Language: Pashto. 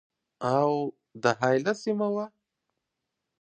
اَوَد حایله سیمه وه.